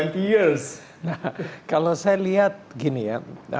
nah kalau saya lihat gini ya